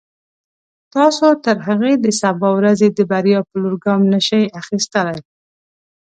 تاسو تر هغې د سبا ورځې د بریا په لور ګام نشئ اخیستلای.